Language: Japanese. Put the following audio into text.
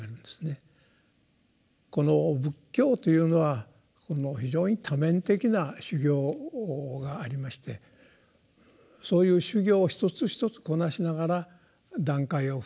この仏教というのは非常に多面的な修行がありましてそういう修行を一つ一つこなしながら段階を踏んでこの悟りへの道を歩むと。